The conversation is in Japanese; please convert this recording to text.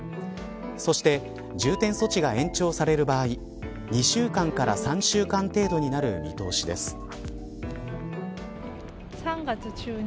そして重点措置が延長される場合２週間から３週間程度になる見通しです。